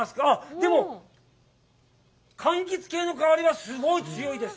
でも、かんきつ系の香りがすごい強いです。